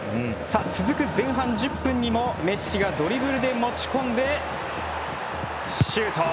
続く前半１０分にもメッシがドリブルで持ち込んでシュート。